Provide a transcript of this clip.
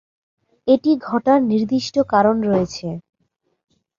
এটি ঘটার নির্দিষ্ট কারণ রয়েছে।